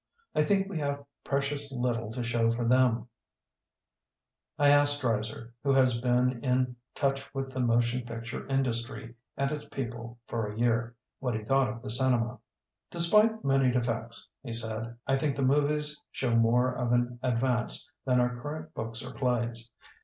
I think we have precious little to show for them,*' I asked Dreiser, who has been in touch with the motion picture industry and its people for a year, what he thought of the cinema. "Despite many defects", he said, "I think the movies show more of an ad vance than our current books or plays.